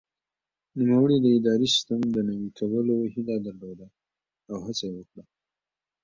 نوموړي د اداري سیسټم د نوي کولو هیله درلوده او هڅه یې وکړه.